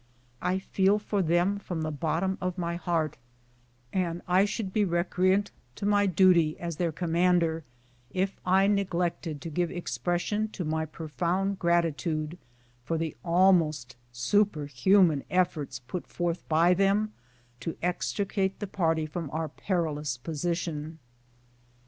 I feel for them from the bottom of my heart, and I should be recreant to my duty as their commander if I neglected to give expression to my profound gratitude for the almost superhuman efforts put forth by them to extricate the party from our perilous position."